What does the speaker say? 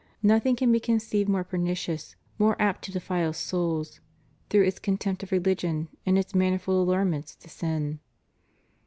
Nothing can be conceived more pernicious, more apt to defile souls, through its contempt of religion, and its manifold allurements to sin.